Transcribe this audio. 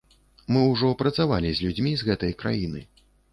Мы ўжо працавалі з людзьмі з гэтай краіны.